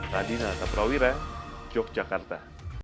radina taprawira yogyakarta